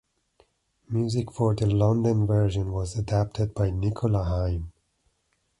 Music for the London version was adapted by Nicola Haym.